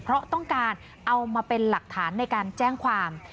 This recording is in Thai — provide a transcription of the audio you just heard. เพราะต้องการเอามาเป็นหลักฐานในการแจ้งความ